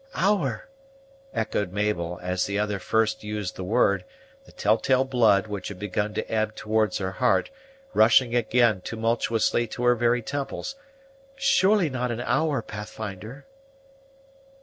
"Hour!" echoed Mabel, as the other first used the word; the tell tale blood, which had begun to ebb towards her heart, rushing again tumultuously to her very temples; "surely not an hour, Pathfinder?"